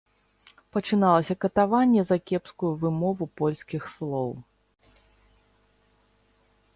Пачыналася катаванне за кепскую вымову польскіх слоў.